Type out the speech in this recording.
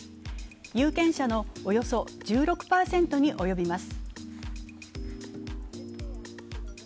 有権者のおよそ１６％に及びます。